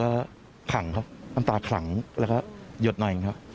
น้ำตาผมก็ขังครับน้ำตาขังแล้วก็หยดหน่อยเองครับ